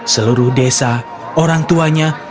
seluruh desa orang tuanya